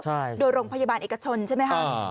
ใช่โดยโรงพยาบาลเอกชนใช่ไหมคะ